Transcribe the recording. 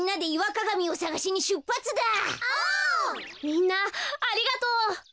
みんなありがとう。